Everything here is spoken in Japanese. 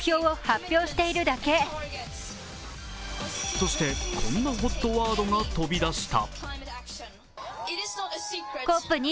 そして、こんなＨＯＴワードが飛び出した。